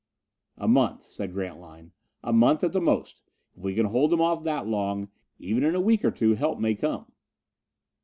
"A month," said Grantline. "A month at the most. If we can hold them off that long even in a week or two help may come."